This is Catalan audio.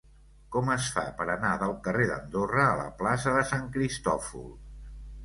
Com es fa per anar del carrer d'Andorra a la plaça de Sant Cristòfol?